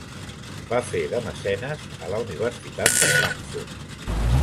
Va fer de mecenes a la Universitat de Frankfurt.